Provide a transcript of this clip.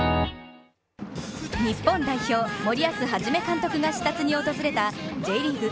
日本代表森保一監督が視察に訪れたＪリーグ